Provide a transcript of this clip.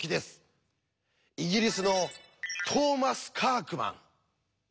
イギリスのトーマス・カークマン。